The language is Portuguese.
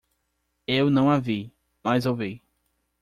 Eu não a vi, mas ouvi.